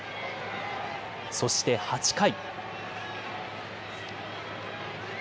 そして８回。